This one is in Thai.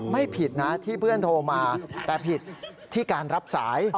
ไม่ผิดนะที่เพื่อนโทรมาแต่ผิดที่การรับสาย